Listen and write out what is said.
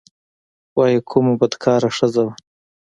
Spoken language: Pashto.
وايي کومه بدکاره ښځه وه.